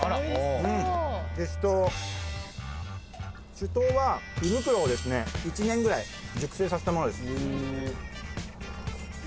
酒盗は胃袋を１年ぐらい熟成させたものです。